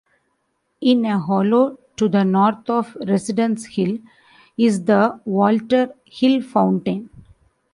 In a hollow to the north of Residence Hill, is the Walter Hill fountain.